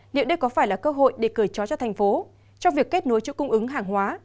liệu đây có phải là cơ hội để cởi trói cho tp hcm trong việc kết nối chủ cung ứng hàng hóa